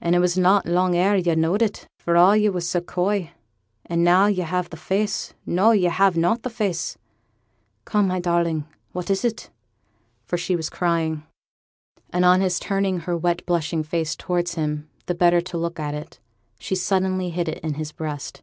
And it was not long ere yo' knowed it, for all yo' were so coy, and now yo' have the face no, yo' have not the face come, my darling, what is it?' for she was crying; and on his turning her wet blushing face towards him the better to look at it, she suddenly hid it in his breast.